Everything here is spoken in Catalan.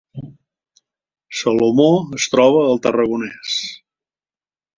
Salomó es troba al Tarragonès